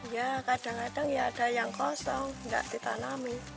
ya kadang kadang ya ada yang kosong nggak ditanami